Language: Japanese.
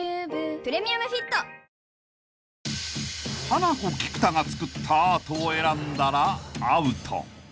［ハナコ菊田が作ったアートを選んだらアウト］